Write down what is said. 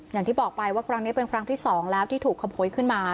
อย่างที่บอกไปว่าครั้งนี้เป็นครั้งที่๒แล้วที่ถูกขโมยขึ้นมา